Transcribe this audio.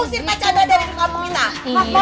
usir pak chandra dari kampung kita